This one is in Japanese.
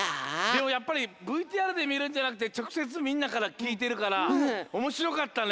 でもやっぱりＶＴＲでみるんじゃなくてちょくせつみんなからきいてるからおもしろかったね！